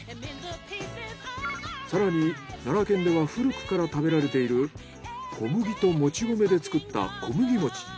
更に奈良県では古くから食べられている小麦ともち米で作った小麦餅。